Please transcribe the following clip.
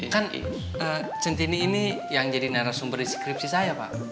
kan centini ini yang jadi narasumber deskripsi saya pak